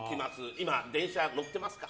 今、電車乗ってますか？